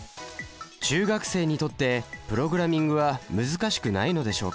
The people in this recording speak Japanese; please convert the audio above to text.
中学生にとってプログラミングは難しくないのでしょうか？